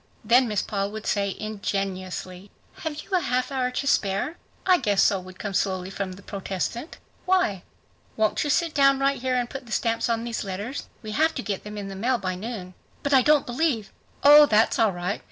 Then Miss Paul would say ingenuously, "Have you a half hour to spare?" "I guess so," would come slowly from the protestant. "Why?" "Won't you please sit down right here and put the stamps on these letters? We have to get them in the mail by noon." "But I don't believe …" "Oh, that's all right.